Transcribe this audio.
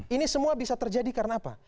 ini semua bisa terjadi karena apa